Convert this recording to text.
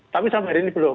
tapi sampai hari ini belum